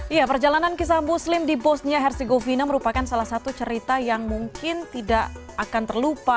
iya perjalanan kisah muslim di bosnia hersi govina merupakan salah satu cerita yang mungkin tidak akan terlupa